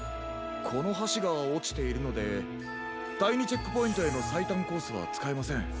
このはしがおちているのでだい２チェックポイントへのさいたんコースはつかえません。